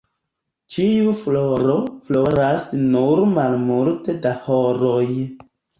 Ĉiu floro floras nur malmulte da horoj.